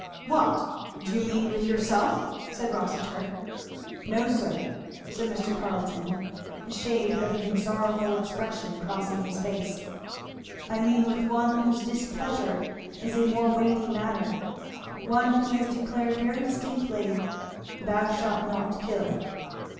"What, do you mean with yourself?" said Rossitur. "No sir," said Mr. Carleton, a shade of even sorrowful expression crossing his face; "I mean with one whose displeasure is a more weighty matter; one who has declared very distinctly, 'Thou shalt not kill.'"